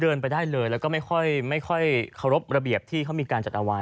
เดินไปได้เลยแล้วก็ไม่ค่อยเคารพระเบียบที่เขามีการจัดเอาไว้